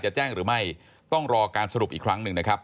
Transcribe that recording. จะแจ้งหรือไม่ต้องรอการสรุปอีกครั้งหนึ่งนะครับ